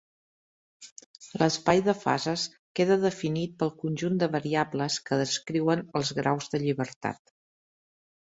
L'espai de fases queda definit pel conjunt de variables que descriuen els graus de llibertat.